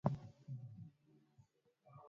wameonekana kuwa na malalamiko juu ya mchakato huo